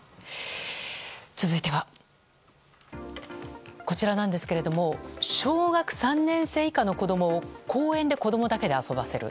続いては、こちらなんですが小学３年生以下の子供を公園で子供だけで遊ばせる